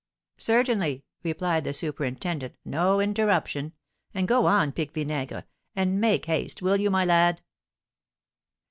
"Certainly," replied the superintendent; "no interruption; and go on, Pique Vinaigre, and make haste, will you, my lad?"